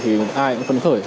thì ai cũng phấn khởi